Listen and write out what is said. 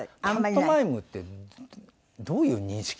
パントマイムってどういう認識なんですかね？